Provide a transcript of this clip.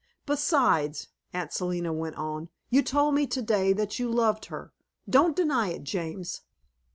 "Besides," Aunt Selina went on, "you told me today that you loved her. Don't deny it, James."